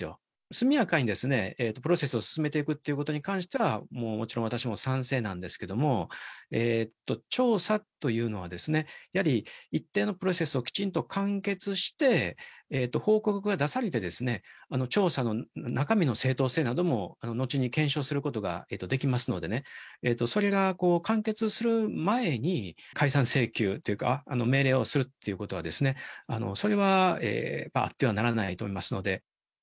速やかにプロセスを進めていくっていうことに関しては、もちろん私も賛成なんですけれども、調査というのは、やはり一定のプロセスをきちんと完結して、報告が出されて、調査の中身の正当性なども後に検証することができますのでね、それが完結する前に解散請求っていうか、命令をするっていうことは、それはあってはならないと思いますので。